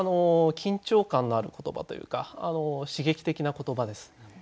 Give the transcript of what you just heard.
緊張感のある言葉というか刺激的な言葉です。